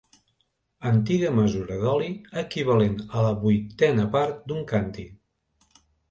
Antiga mesura d'oli equivalent a la vuitena part d'un càntir.